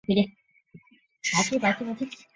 另译朴宣浩。